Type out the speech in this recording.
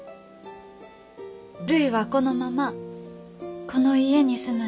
るいはこのままこの家に住むんじゃ。